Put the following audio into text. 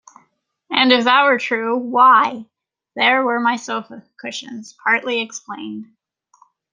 And if that were true — why, there were my sofa cushions partly explained.